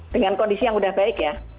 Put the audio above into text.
dengan kondisi yang sudah baik ya